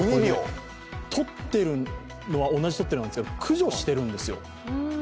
とっているのは、同じとってるんですけれども駆除しているんですよ。